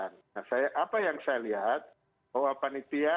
nah saya tahu ini pilihan sebenarnya